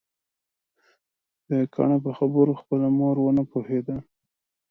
د کاڼه په خبرو خپله مور ونه پوهيده